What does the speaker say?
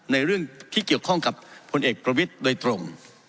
เรื่องที่เกี่ยวข้องกับพลเอกประวิทย์โดยตรง